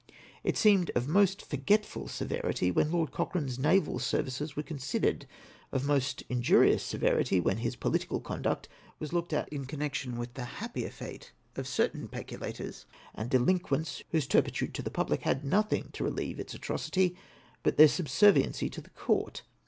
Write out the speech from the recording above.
It seemed of most forgetful severity, when Lord Cochrane's naval services were considered ; of most injurious severity when his jDolitical conduct was looked at in connection with the happier fate of certain peculators and delinquents whose turpitude to the public had nothing to relieve its atrocity but their sul: arviency to the court.